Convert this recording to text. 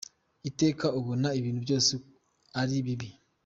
Iteka ubona ibintu byose ari bibi.